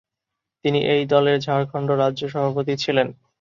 তিনি এই দলের ঝাড়খণ্ড রাজ্য সভাপতি ছিলেন।